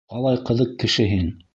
Ҡалай ҡыҙыҡ кеше һин!